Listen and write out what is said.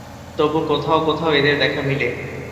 তবু কোথাও কোথাও এদের দেখা মিলে।